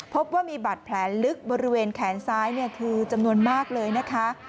พบว่ามีบัตรแผลลึกบริเวณแขนซ้ายคือจำนวนมากเลยนะคะ